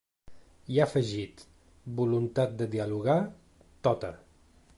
I ha afegit: Voluntat de dialogar, tota.